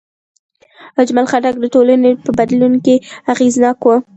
اجمل خټک د ټولنې په بدلون کې اغېزناک و.